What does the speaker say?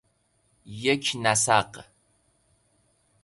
یک نسق